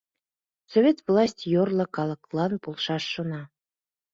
Совет власть йорло калыклан полшаш шона.